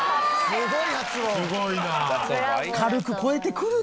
すごいなあ。